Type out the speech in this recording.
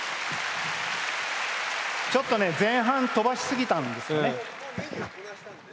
前半飛ばしすぎたんですよね。